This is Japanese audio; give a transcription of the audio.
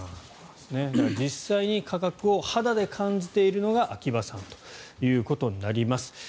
実際に価格を肌で感じているのが秋葉さんということになります。